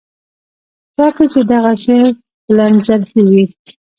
چا کې چې دغسې بلندظرفي وي.